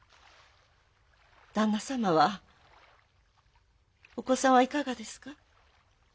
旦那様はお子さんはいかがですか？